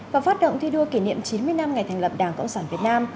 và phát động thi đua kỷ niệm chín mươi năm ngày thành lập đảng cộng sản việt nam